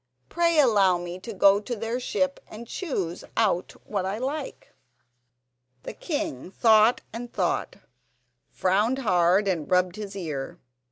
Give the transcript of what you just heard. Pray allow me to go to their ship and choose out what I like." The king thought and thought, frowned hard and rubbed his ear.